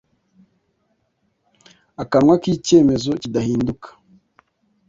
Akanwa kicyemezo kidahinduka